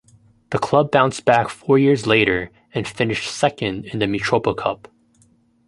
The club bounced back four years later and finished second in the Mitropa Cup.